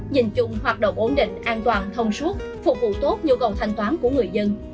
nhìn chung hoạt động ổn định an toàn thông suốt phục vụ tốt nhu cầu thanh toán của người dân